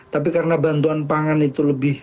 tapi karena bantuan pangan itu lebih